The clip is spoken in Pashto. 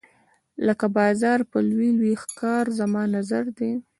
لکه باز په لوی لوی ښکار زما نظر دی.